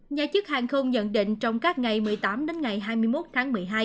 nhà chức hàng không nhận định trong các ngày một mươi tám đến ngày hai mươi một tháng một mươi hai